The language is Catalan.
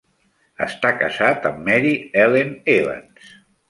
Està casat amb Mary Ellen Evans.